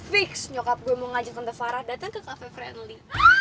fix nyokap gue mau ngajak untuk farah datang ke cafe friendly